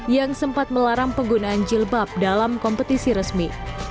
yang sempat melarang penggunaan jilbab dalam kompetisi resmi